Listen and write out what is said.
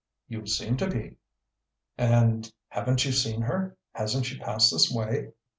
"You seem to be!" "And haven't you seen her? Hasn't she passed this way?"